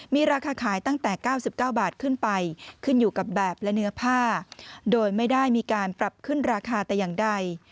มีราคาขายตั้งแต่๙๙บาทขึ้นไปขึ้นอยู่กับแบบและเนื้อผ้าโดยไม่ได้มีการปรับขึ้นราคาแต่อย่างใด